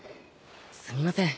すみません